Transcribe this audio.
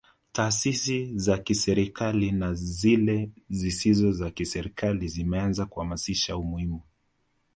Taasisi za kiserikali na zile zisizokuwa za kiserikali zimeanza kuhamasisha umuhimu